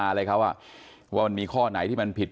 อะไรของเค้าว่ามีข้อไหนที่มันผิด